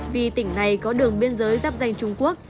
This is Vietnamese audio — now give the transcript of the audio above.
vì tỉnh này có đường biên giới dắp danh trung quốc